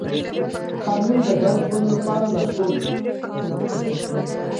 قانون د ګډ ژوند لپاره لارښود دی.